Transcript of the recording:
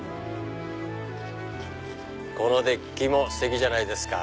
このデッキもステキじゃないですか。